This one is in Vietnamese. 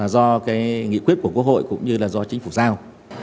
do nghị quyết của quốc hội cũng như do chính phủ giao